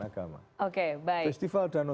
agama oke baik festival danau